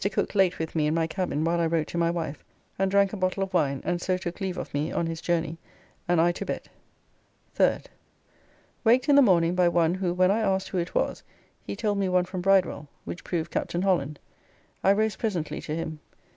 Cooke late with me in my cabin while I wrote to my wife, and drank a bottle of wine and so took leave of me on his journey and I to bed. 3d. Waked in the morning by one who when I asked who it was, he told me one from Bridewell, which proved Captain Holland. I rose presently to him.